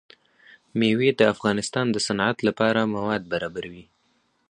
مېوې د افغانستان د صنعت لپاره مواد برابروي.